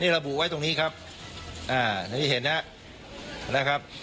เนี่ยระบุไว้ตรงนี้ครับอ่านี่เห็นฮะนะครับ